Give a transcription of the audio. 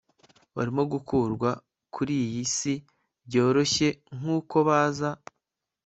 barimo gukurwa kuriyi si byoroshye nkuko baza